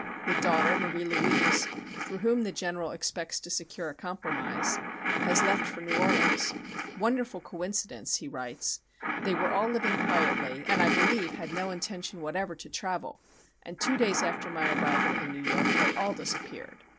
The daughter, Marie Louise, through whom the General expects to secure a compromise, has left for New Orleans. "Wonderful coincidence," he writes, "they were all living quietly and I believe had no intention whatever to travel, and two days after my arrival in New York they all disappeared.